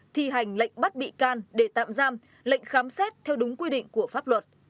thi hành lệnh bắt bị can để tạm giam lệnh khám xét theo đúng quy định của pháp luật